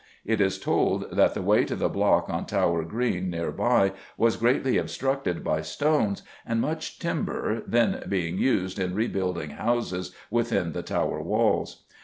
It is told that the way to the block on Tower Green near by was greatly obstructed by stones and much timber then being used in rebuilding houses within the Tower walls.